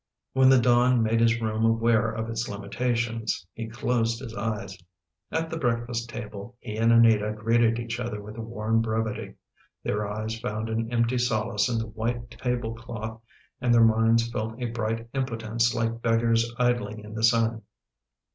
When the dawn made his room aware of its limitations, he closed his eyes. At the breakfast table he and Anita greeted each other with a worn brevity: their eyes found an empty solace in the white tablecloth and their minds felt a bright impotence, like beggars idling in the sun.